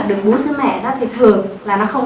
đừng bú sữa mẹ thì thường là nó không